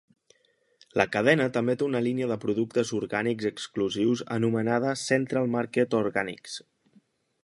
La cadena també té una línia de productes orgànics exclusius anomenada "Central Market Organics".